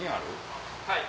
はい。